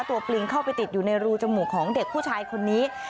ปลิงเข้าไปติดอยู่ในรูจมูกของเด็กผู้ชายคนนี้